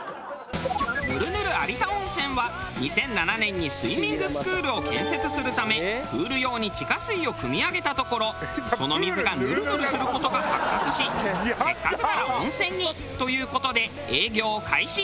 ヌルヌル有田温泉は２００７年にスイミングスクールを建設するためプール用に地下水をくみ上げたところその水がヌルヌルする事が発覚しせっかくなら温泉にという事で営業を開始。